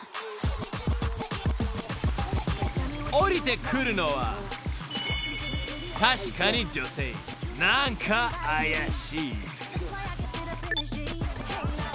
［降りてくるのは確かに女性何か怪しい］